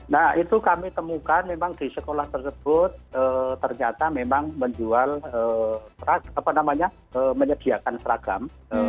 nah itu kami temukan memang di sekolah tersebut ternyata memang menjual apa namanya menyediakan seragam